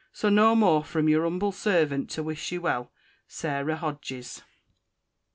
Soe no more from Your humble sarvent, to wish you well, SARAH HODGES.